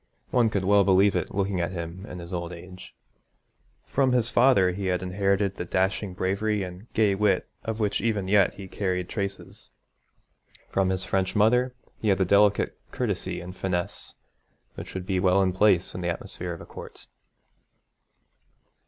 One could well believe it looking at him in his old age. From his father he had inherited the dashing bravery and gay wit of which even yet he carried traces. From his French mother he had the delicate courtesy and finesse which would be well in place in the atmosphere of a court.